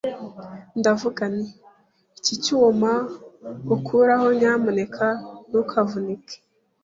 Ndavuga nti Iki cyuma ukuraho nyamuneka ntukavunike